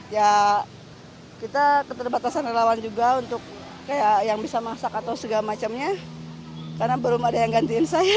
ya kita keterbatasan relawan juga untuk kayak yang bisa masak atau segala macamnya karena belum ada yang gantiin saya